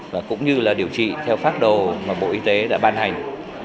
và cũng như là điều trị theo phác đồ mà bộ y tế đã ban hành